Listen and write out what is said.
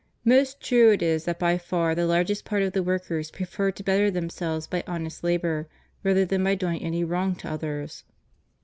Most true it is that by far the larger part of the workers prefer to better themselves by honest labor rather than b}'^ doing any wTong to others.